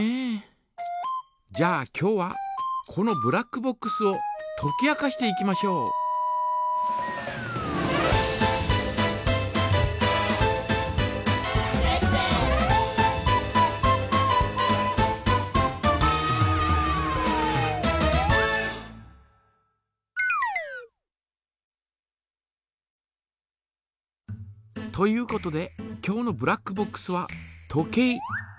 じゃあ今日はこのブラックボックスをとき明かしていきましょう。ということで今日のブラックボックスは時計。